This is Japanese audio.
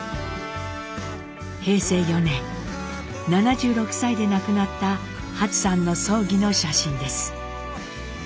平成４年７６歳で亡くなったハツさんの葬儀の写真です。